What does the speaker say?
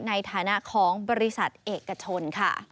ในฐานะของบริษัทเอกชนค่ะ